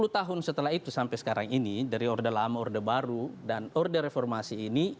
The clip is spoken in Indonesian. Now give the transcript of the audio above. sepuluh tahun setelah itu sampai sekarang ini dari orde lama orde baru dan orde reformasi ini